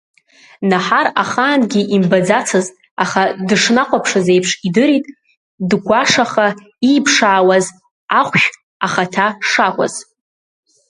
Наҳар ахаангьы имбаӡацызт, аха дышнахәаԥшыз еиԥш идырит дгәашаха ииԥшаауаз ахәшә ахаҭа шакәыз.